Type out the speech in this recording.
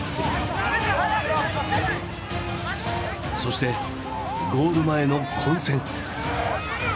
そしてゴール前の混戦。